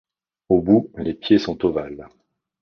Au bout, les pieds sont ovales.